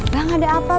bang ada apa bang